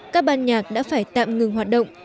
các ban nhạc đã phải tạm ngừng hoạt động